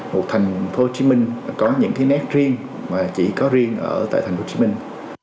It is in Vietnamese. một thành phố hồ chí minh có những cái nét riêng mà chỉ có riêng ở tại thành phố hồ chí minh